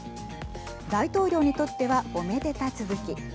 大統領にとってはおめでた続き。